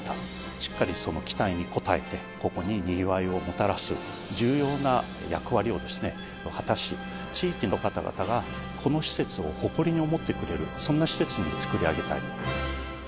しっかりその期待に応えて、ここににぎわいをもたらす重要な役割を果たし、地域の方々がこの施設を誇りに思ってくれる、そんな施設を作り上げたい。